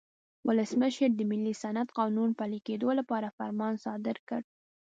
ولسمشر د ملي صنعت قانون پلي کېدو لپاره فرمان صادر کړ.